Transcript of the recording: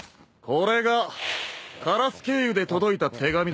これが鴉経由で届いた手紙だ。